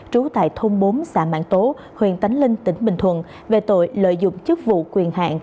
một nghìn chín trăm tám mươi chín trú tại thôn bốn xã mạng tố huyện tánh linh tỉnh bình thuận về tội lợi dụng chức vụ quyền hạn